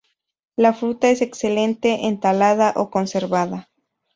La fruta es excelente enlatada o conservada.